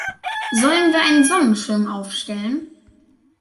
Sollen wir einen Sonnenschirm aufstellen?